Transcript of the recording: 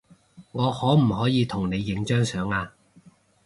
我可唔可以同你影張相呀